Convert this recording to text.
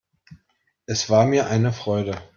Es war mir eine Freude.